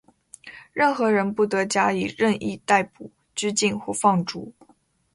任何人不得加以任意逮捕、拘禁或放逐。